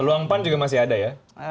peluang pan juga masih ada ya